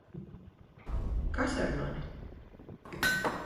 Kas ar mani?